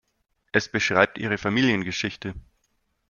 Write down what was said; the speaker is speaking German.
Es beschreibt ihre Familiengeschichte.